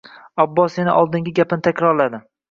Abbos yana oldingi gapini takrorladi